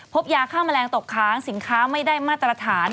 ยาฆ่าแมลงตกค้างสินค้าไม่ได้มาตรฐาน